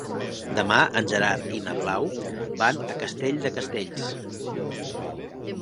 Demà en Gerard i na Blau van a Castell de Castells.